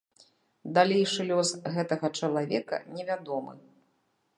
Далейшы лёс гэтага чалавека невядомы.